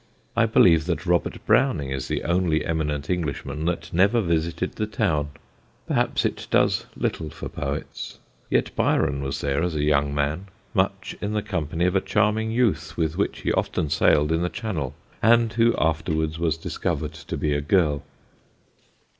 I believe that Robert Browning is the only eminent Englishman that never visited the town. Perhaps it does little for poets; yet Byron was there as a young man, much in the company of a charming youth with whom he often sailed in the Channel, and who afterwards was discovered to be a girl.